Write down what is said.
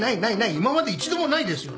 今まで一度もないですよね。